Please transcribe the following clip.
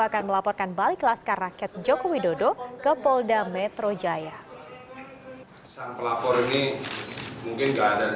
akan melaporkan balik kelas karaket joko widodo ke polda metro jaya pelapor ini mungkin gak ada